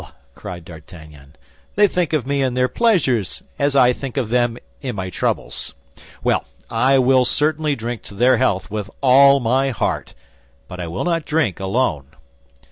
cried D'Artagnan. "They think of me in their pleasures, as I thought of them in my troubles. Well, I will certainly drink to their health with all my heart, but I will not drink alone."